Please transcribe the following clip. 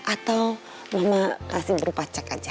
atau mama kasih buru pacak aja